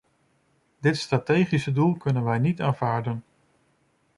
Dit strategische doel kunnen wij niet aanvaarden.